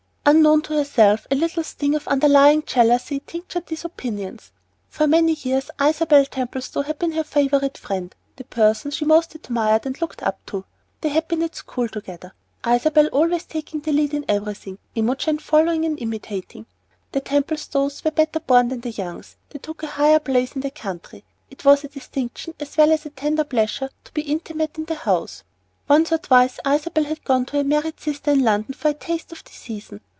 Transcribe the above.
Unknown to herself a little sting of underlying jealousy tinctured these opinions. For many years Isabel Templestowe had been her favorite friend, the person she most admired and looked up to. They had been at school together, Isabel always taking the lead in everything, Imogen following and imitating. The Templestowes were better born than the Youngs, they took a higher place in the county; it was a distinction as well as a tender pleasure to be intimate in the house. Once or twice Isabel had gone to her married sister in London for a taste of the "season."